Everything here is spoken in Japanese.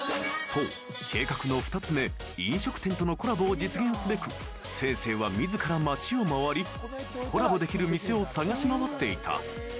［そう計画の２つ目飲食店とのコラボを実現すべくせいせいは自ら街を回りコラボできる店を探し回っていた］